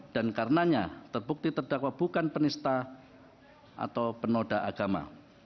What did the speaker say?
dan karenanya terbukti terdakwa bukan penista atau penoda agama